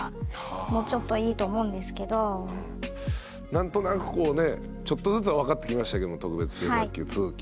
何となくこうねちょっとずつは分かってきましたけども特別支援学級通級。